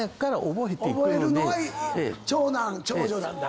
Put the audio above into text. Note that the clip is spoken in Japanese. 覚えるのは長男長女なんだ。